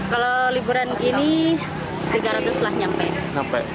kalau liburan gini tiga ratus lah nyampe